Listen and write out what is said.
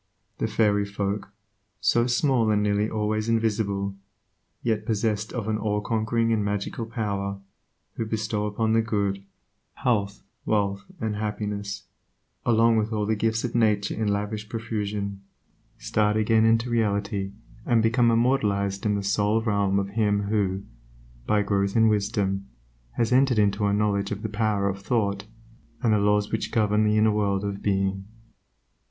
The fairy folk, so small and nearly always invisible, yet possessed of an all conquering and magical power, who bestow upon the good, health, wealth, and happiness, along with all the gifts of nature in lavish profusion, start again into reality and become immortalized in the soul realm of him who, by growth in wisdom, has entered into a knowledge of the power of thought, and the laws which govern the inner world of being.